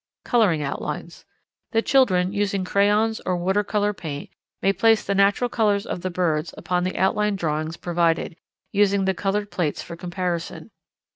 Colouring Outlines. The children, using crayons or water colour paint, may place the natural colours of the birds upon the outline drawings provided, using the coloured plates for comparison.